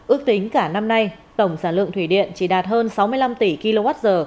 ước tính cả năm nay tổng sản lượng thủy điện chỉ đạt hơn sáu mươi năm tỷ kwh